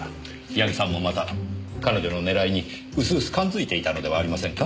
矢木さんもまた彼女の狙いに薄々感づいていたのではありませんか？